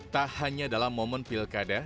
tak hanya dalam momen pilkada